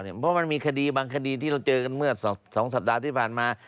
เพราะมันมีคดีบางคดีที่เราเจอกันเมื่อ๒สัปดาห์ที่ผ่านมา